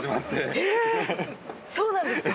えそうなんですか。